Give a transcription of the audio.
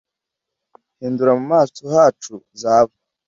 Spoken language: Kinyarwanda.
Hindura mu maso hacu zahabu